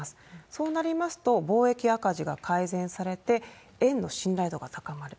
そうなりますと、貿易赤字が改善されて、円の信頼度が高まる。